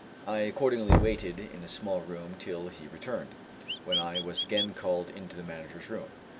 I accordingly waited in a small room till he returned, when I was again called into the manager's room.